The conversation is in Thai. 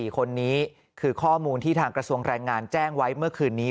๔คนนี้คือข้อมูลที่ทางกระทรวงแรงงานแจ้งไว้เมื่อคืนนี้